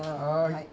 はい。